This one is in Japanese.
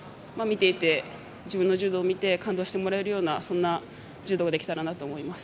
自分の柔道を見て感動してもらえるようなそんな柔道ができたらなと思います。